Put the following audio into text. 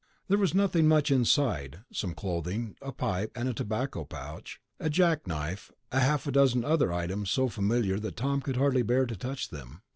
There was nothing much inside ... some clothing, a pipe and tobacco pouch, a jack knife, half a dozen other items so familiar that Tom could hardly bear to touch them.